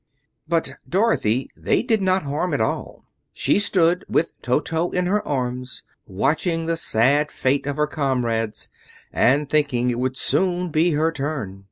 But Dorothy they did not harm at all. She stood, with Toto in her arms, watching the sad fate of her comrades and thinking it would soon be her turn.